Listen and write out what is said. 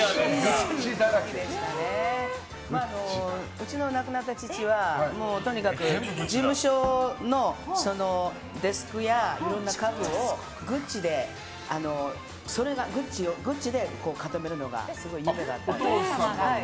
うちの亡くなった父はとにかく事務所のデスクやいろんな家具をグッチで固めるのがすごい夢だったので。